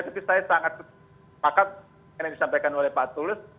tapi saya sangat sepakat yang disampaikan oleh pak tulus